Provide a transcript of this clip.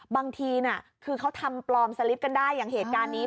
บางทีคือเขาทำปลอมสลิปกันได้อย่างเหตุการณ์นี้